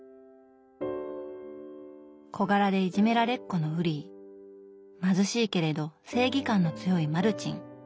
小柄でいじめられっ子のウリー貧しいけれど正義感の強いマルチン。